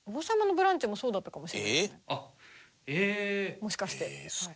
もしかして。